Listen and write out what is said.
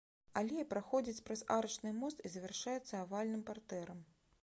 Алея праходзіць праз арачны мост і завяршаецца авальным партэрам.